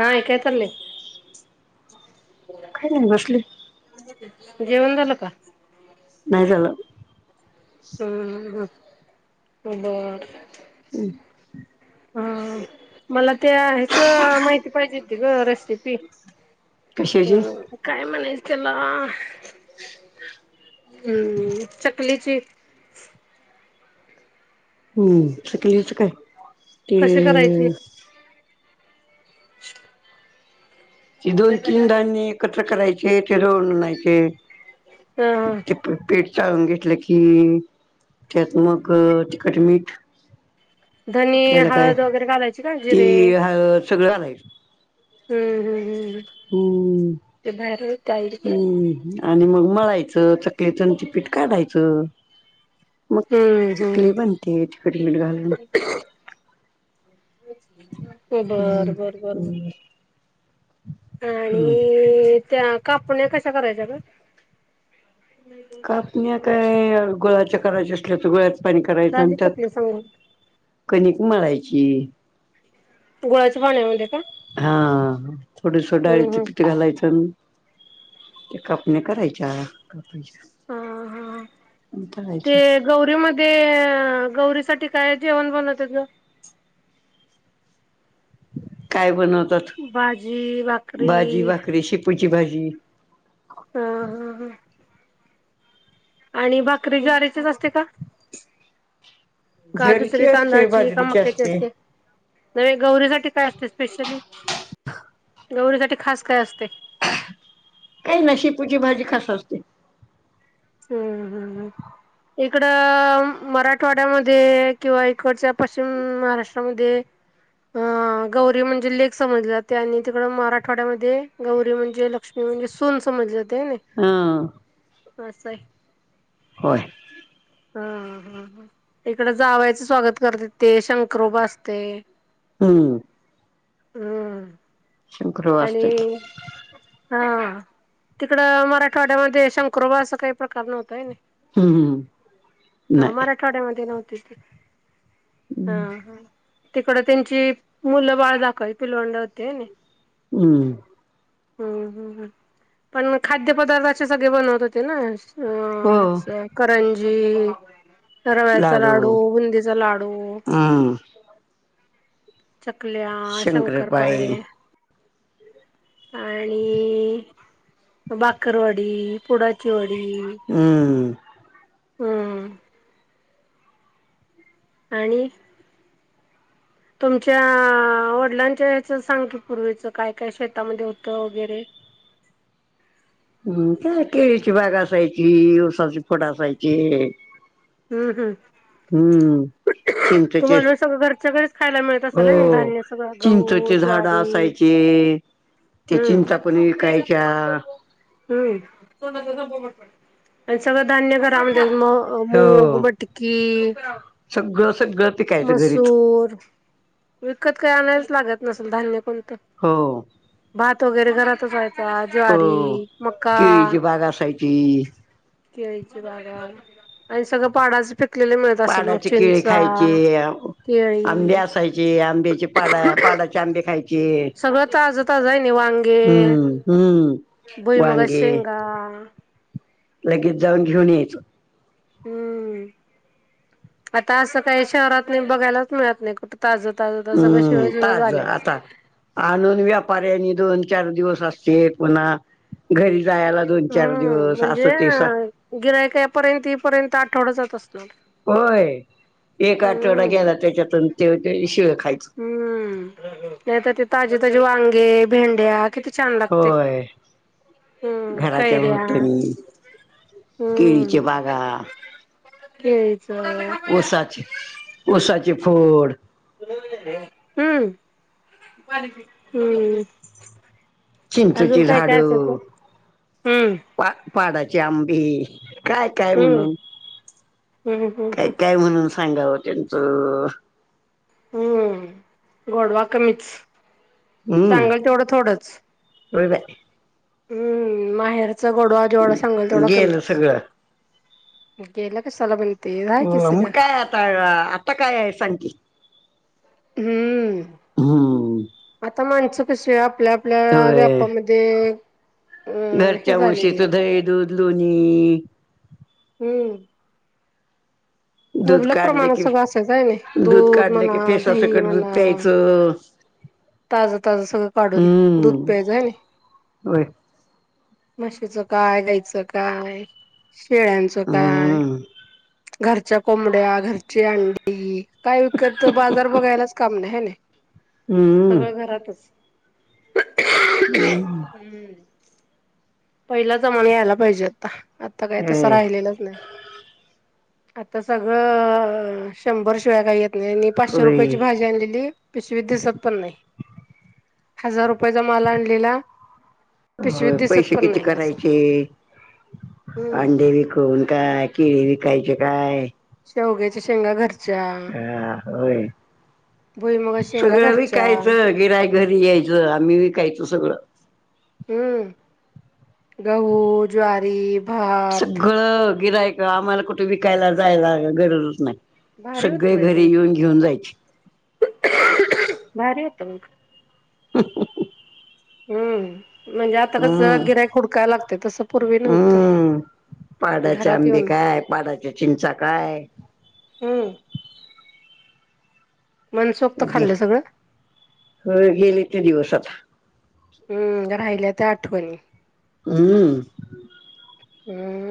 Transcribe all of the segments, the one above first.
हा हे काय चाललय? काय नाही बसले जेवन झाल का? नाही झाल. हम्म बर. हम्म हा मला ते ह्याच माहिती पाहिजे होती ग. रेसिपी कशाचे हम्म काय म्हणायच त्याला हम्म चकलीची. हम्म चकलीच काय ते कशी करायची [inaudible] ती दोन तीन धान्य एकत्र करायचे. ते दळून आणायचे. अ ते पीठ चाळून घेतल की, त्यात मग तिखट, मीठ धने, आपल्याला काय हळद वगैरे घालायची का? ती जिरे हळद सगळं घालायचं हम्म हम्म हम्म हम्म हम्म तिकडे हम्म आणि मग मळायच चकलीचन. ते पीठ काढायच. मग हम्म हम्म चकली बनते तिखट मीठ घालून. बर हम्म बर बर बर हम्म हम्म आणि त्या कापण्या कशा करायच्या ग. कापण्या काय गुळाच्या करायच्या असल्या तर गुळाचं पाणी करायचं आणि झाली त्यात चकली सांगून कनिक मळायची गुळाच्या पाण्यामध्ये का? हा थोडस हम्म डाळीचं हम्म पीठ घालायचं नं ते कापण्या करायच कापायच्या हा हा आणी ते तलायच्या. गौरीमध्ये गौरी साठी काय जेवण बनवत्यात ग? काय बनवतात, भाजी, भाजी, भाकरी भाकरी, शेपूची भाजी. हा हा हा आणि भाकरी ज्वारीचीच असते का? का ज्वारीची दुसरी असते तांदळाची का बाजरीची मक्याची असते असतीया नवे गौरीसाठी काय असते स्पेशली गौरीसाठी खास काय असतय ना शेपूची भाजी खास असते हम्म हम् हम इकड मराठवाड्यामध्ये किंवा इकडच्या पश्चिम महाराष्ट्रामध्ये अ गौरी म्हणजे लेक समजली जाते आणि तिकड मराठवाड्यामध्ये गौरी म्हणजे लक्ष्मी म्हणजे सून समजली जाते ह नी हां असय हो हा हा इकड जावयाचं स्वागत करत्यात ते शंकरोबा असतय हम्म हम, शंकरपाळी आणि असते हा तिकड मराठवाड्यामध्ये शंकरुबा असं काही प्रकार नव्हता व्हय नि हम्म हम्, नाही कडे मध्ये नव्हते ती हा हा. तिकड त्यांची मुलं बाळ दाखववी पिलवंड होती. व्हय नि हम्म. ह्म ह पण खाद्य पदार्थाचे सगळे बनवत होते ना. हो अ स करंजी. रव्याचा लाडू, बुंदीचा लाडू हम्म चकल्या, शंकरपाळे आणि बाकरवडी, पुडाची वडी. हम. हम्म. आणि, तुमच्या वडिलांच्या याच सांग की पूर्वीचं काय काय शेतामध्ये होत वगैरे हम् का केळीची बाग असायची उसाची फड असायची हम्म हम्म हम्म चिंंचेचे, तुम्हाला सगळं घरच्या घरीच खायला मिळत असेल ना हो धान्य सगळं गहू, चिंचचे झाड ज्वारी असायचे. ते हम्म चिंचा पण विकायच्या हम्, सगळं धान्य घरा मध्ये मग मोग, हो मटकी. सगळं, सगळंच मसूर, विकत काय आणाय लागत नसेल धान्य कोणतं हो. भात वगैरे घरात व्हायचा ज्वारी, हो मक्का केळीची बाग असाय ची. केळीची बागा आणि सगळं पाडाच फ पाडाची केळी खायची. आंबे केळी असायचे आंब्याची पाड पाडाची आंबे खायचे. सगळं ताज ताज हाय नी वांग हम्म हम्म, भुईमुगाच्या वागे. शेंगा लगेच जाऊन घेऊन यायचो. हम्म, आता असं काही शहरात नाही बघायलाच मिळत नाही कुठ. ताजं ताज सगळं शिळ हम्म शिळ ताज झालंय. आता आणून व्यापाऱ्यांनी दोन चार दिवस असते पुन्हा घरी जायाला. दोन चार दिवस अस ते स गिरायक यापर्यंत येईपर्यंत आठवडा जात असतो. होय, एक आठवडा गेला त्याच्यातून ते शिळ खायच. हम्म नाही तर ते ताजे ताजे वांगे, भेंड्या किती छान लागतय, होय. हम् घराच्या कैऱ्या भोवतणी केळीचे हम्म, बागा केळीचा. उसाचे, उसाचे फोड. हम्म हम्म. अजून चिंचेची काय काय असतं, हम्म. पाक, पाडाची आंबी. काय काय हम्म म्हणून, हम्म काय हम्म काय म्हणून सांगावं त्यांचं. हम्म, गोडवा कमीच, सांगल तेवढं थोडंच. वय बाई. हम्म माहेरचा गोडवा जेवढं सांगाल तेवडा गेलं कमीच. सगळं केला कशाला बाई. हम म काय आता आता काय हाय सांग की. हम्म, हम्म आता माणसं कशी आपल्या आपल्या होय व्यापामध्ये ते. घरच्या म्हशीचं दही, दूध, लोणी. हम्म. दूध मुबलक काढले प्रमाणात की सगळं असायचं हनी दूध काढले म्हणा की दही फेसासकट दूध म्हणा. प्यायचं ताज ताज सगळं काढून दूध हम्म प्यायचं हानी. होय माशीचं काय, गायचं काय शेळ्यांचं काय हम्म घरच्या कोंबड्या घरची अंडी. काय विकत बाजार बघायलाच काम नाही हानी, सगळं घरातच. हम्. हम्म. पहिला जमान यायला पाहिजे आता, आता काय तसं होय राहिलेलंच नाही. आता सगळं शंभर शिवाय काय येत नाही आणि पाचशे होय रुपयची भाजी आणलेली पिशवीत दिसत पण नाही. हजार रुपयचा माल आणलेला, पिशवीत होय दिसत पैसे पण किती नाही का असं करायचे हम्म आणि विकून काय केळी विकायचे काय. शेवग्याच्या शेंगा घर हा होय, भुईमुगाच्या शेंगा सगळं घरच्या विकायचं. गिऱ्हाईक घरी यायचं आम्ही विकायचं सगळं. हम्म गहू, ज्वारी भात सगळं गिरायक आम्हाला कुठे विकायला जायला गरजच नाही. भारी होत सगळे बाई घरी तुमचं. येऊन घेऊन जायचे. भारी येत मग. [inaudible] हम्म म्हणजे. आता कस हम्म गिरायक व डकायला लागते. तसं पूर्वी नव्हतं हम्म. पाडाचे घरात आंबे येऊन काय पाडाच्या चिंचा काय हम्म मनसोक्त गे खाल्लं सगळं गेले ते दिवस आता हम् राहिल्या त्या आठवणी, हम्म हम्म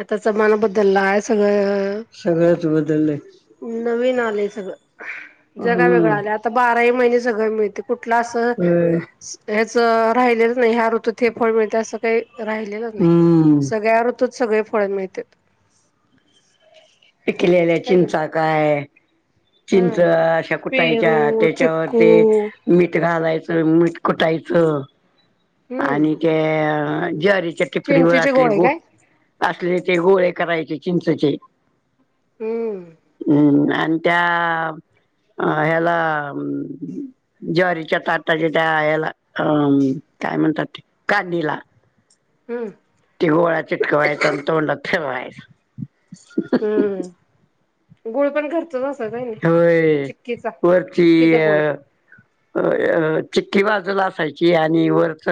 आता जमान बद्दललाय सगळं सगळंच बदललेय नवीन आले सगळं. जगा हम्म वेगळं आला आता बाराही महिने सगळ मिळते कुठला असं होय ह्याच राहिलेलं नाही ह्या ऋतूत हे फळ मिळत असं काही राहिलेलं नाही हम्म सगळ्या ऋतूत सगळे फळ मिळत्यात पिकलेल्या काय केलं चिंचा काय. चिंच हम्म. अशा कुटायच्या पेरू, त्याच्यावर चिक्कू ते. मीठ घालायचं मीठ कुटायचं हम्म आणि ते, ज्वारीच्या टिपरीवर चिंचेचे असलेले गोळे काय? बोट. असले ते गोळे करायचे चिंचचे हम्म हम् आणि त्या ह्याला. ज्वारीच्या ताटाच्या त्या याला अ काय म्हणतात ते कांदीला. हम ति गोळा चिटकवायचां आणि तोंडत थेवायचं हम्म गुळ पण कर काय नाही होय चिक्कीचा वरची चिक्कीचा गोळ अ अ चिक्की बाजूला असायची आणि वरच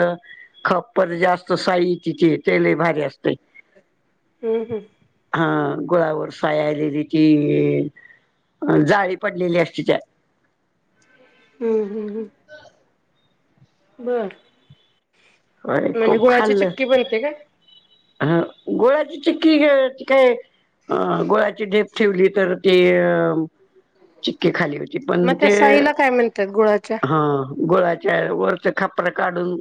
खप्पत जास्त साई तिची तेलही भारी असते हम् हम् हा गुळावर सायआलेली ती जाळी पडलेली असते त्यात हम्म हम्म ह् बर होय म्हणजे खूप गुळाची खाल्लं चिक्की बनते का ह गोळाची चिक्की काय गोळाची ढेप ठेवली तर ते चिक्की खाली होती पण मग त्या ते साईला काय म्हणतात गुळाच्या? हा गोळा त्या वरच खपर काढून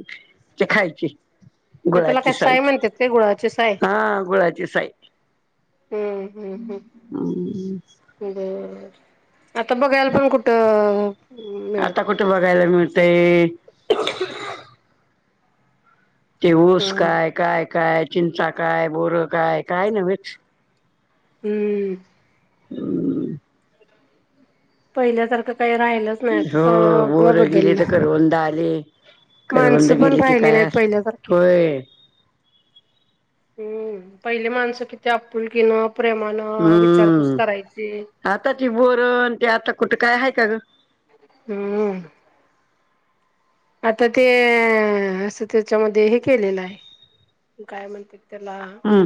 ते खायचे मग त्याला काय साय म्हणतात काय गुळाची साय हा हम्म हम्म हम्म हम् बर आता बघायला पण कुठं- आता मिळत नाही. कुठे बघायला मिळतय ते ऊस हम्म काय काय काय चिंचा काय बोरं काय काय नव्हेच हम्म ह पहिल्यासारखं काही राहिलच नाहीता हो सगळं बोरं गेली तर बदललं करवंद आले माणस करवंद पण गेली की राहिले नाहीत काय पहिल्यासारखे होय हम्म पहिले माणसं किती आपुलकीनं प्रेमानं विचारपूस करायची आता ती बोरन ती आता कुठं काय आहे का ग हम्म आता ते असं त्याच्यामध्ये हे केलेलं आहे काय म्हणतेात त्याला हम्म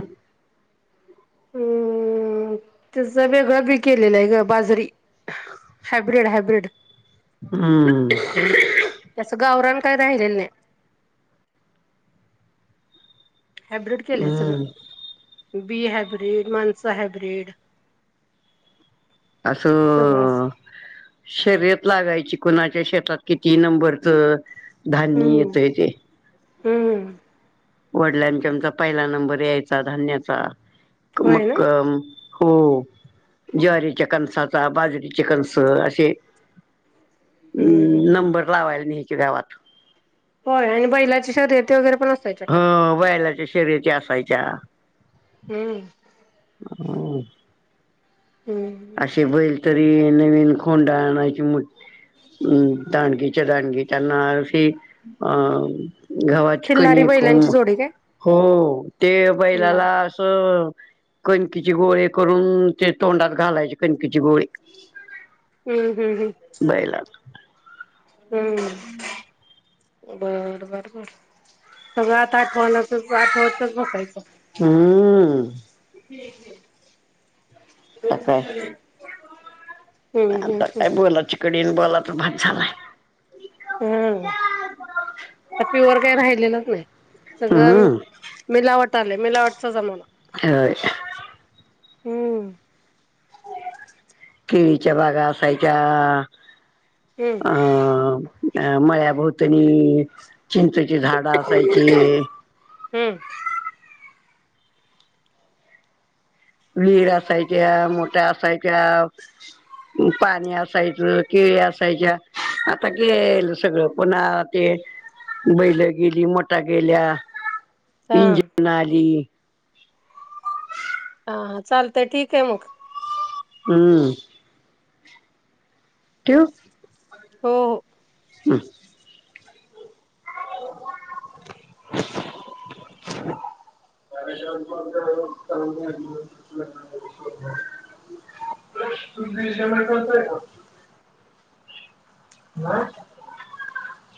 हम्. तिज वेगळं बी केलेल हाय गं बाजारी हाॅब्रीड हाॅब्रीड हम्म. त्याच गावरान काय राहिलेलं नाही. हायब्रीड केलेय हम्म सगळं बी हायब्रीड माणसं हायब्रीड. सगळं आसं. शर्यत लागायची कणाच्या शेतात किती नंबरच धान्य येतय ते हम् हम. वडल्यांच्या आमचा पहिला नंबर यायचा धान्याचा होय ना मक्क हो ज्वारीच्या कणसाचा बाजरीचे कणस असे. हम्म हम् हम्म नंबर लावायला नाहीच्या गावात. होय आणि बैलाची शर्यती वगैरे पण असतात. ह वयलाच्या शर्यती असायच्या. हम्म. ह. हम्म असे बैल तरी नवीन कोोंडा आणायची मु हम्म दानगच्या दानगचानाशी अ घवाची खिल्लारी कणीक को बैलांची जोडी काय हो ते खिल्लार पहिल्याला कणकीचे गोळे करून ते तोंडात घालायचे कणकीची गोळे हम्म हम् हम्. बयलाल हम्म. बरं बरं बर सगळ आता आठवणच आठवजताच बसायचं. हम्म. आता काय [unintelligible] हम्म हम्म आता काय बोलाची कढी आणि बोलाचा भात झालाय. हम् प्युअर काही राहिलेलंच नाही. सगळं हम्म मिलावट आले मिलावटचा जमाना. हाय अशी हम्म. केळीच्या बागा असायच्या. हम्म. अ मळ्याभोवतणी चिंचची झाडं असायची. हम्म. विहीर असायच्या मोठ्या असायच्या. पाणी असायचं केळी असायच्या. आता क येल सगळं पुन्हा ते बैल गेली मोठा गेल्या हा इंजन आली. हा चालत ठीक आहे मग हम्म. ठेवु. हो. हम. [unintelligible] [unintelligible] तुम दिश कोतोय का?